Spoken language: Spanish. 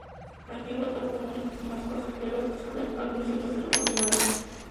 Allí el vapor tomó más pasajeros, a saber, algunos cientos de revolucionarios.